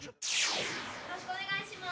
よろしくお願いします。